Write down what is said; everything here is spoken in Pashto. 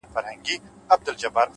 حوصله د ستونزو کلۍ ده؛